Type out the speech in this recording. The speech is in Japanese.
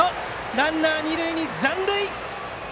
ランナーは二塁に残塁！